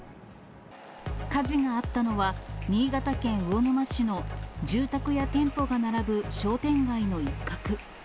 火事があったのは、新潟県魚沼市の住宅や店舗が並ぶ商店街の一角。